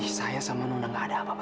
tadi saya sama nona gak ada apa apa